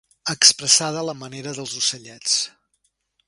Expressada a la manera dels ocellets.